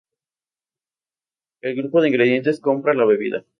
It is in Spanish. El grupo de indigentes compra la bebida.